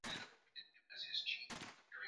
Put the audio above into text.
Chakula limeungua.